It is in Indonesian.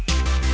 terima kasih ya